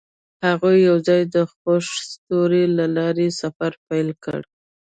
هغوی یوځای د خوښ ستوري له لارې سفر پیل کړ.